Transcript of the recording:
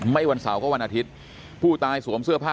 วันเสาร์ก็วันอาทิตย์ผู้ตายสวมเสื้อผ้า